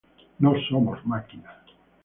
No somos máquinas.